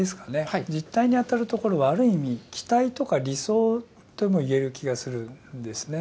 集諦に当たるところはある意味期待とか理想ともいえる気がするんですね。